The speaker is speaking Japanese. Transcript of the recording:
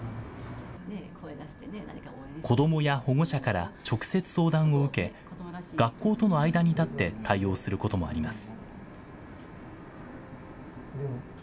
子どもや保護者から直接相談を受け、学校との間に立って対応することもあります。